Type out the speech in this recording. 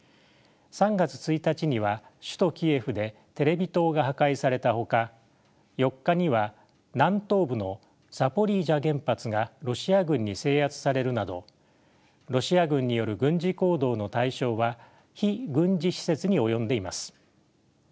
３月１日には首都キエフでテレビ塔が破壊されたほか４日には南東部のザポリージャ原発がロシア軍に制圧されるなどロシア軍による軍事行動の対象は非軍事施設に及んでいます。